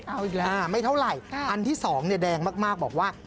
เอาอีกแล้วไม่เท่าไหร่อันที่๒แดงมากบอกว่า